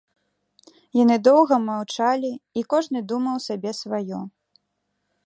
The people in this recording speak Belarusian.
Яны доўга маўчалі, і кожны думаў сабе сваё.